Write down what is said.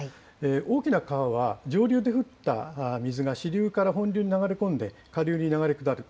大きな川は上流で降った水が支流から本流に流れ込んで、下流に流れ下る。